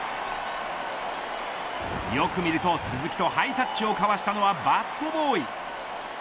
よく見ると鈴木とハイタッチを交わしたのはバットボーイ。